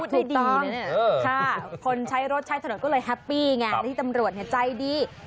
พูดไม่ดีนะเนี่ยใช่คนใช้รถใช้ถนนก็เลยแฮปปี้ไงแล้วที่ตำรวจใจดี